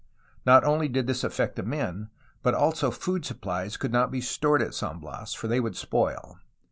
Not only did this affect the men, but also food supplies could not be stored at San Bias, for they would spoil.